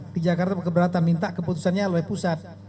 di jakarta keberatan minta keputusannya oleh pusat